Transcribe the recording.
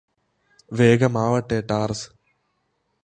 വേഗമാവട്ടെ ടാര്സ്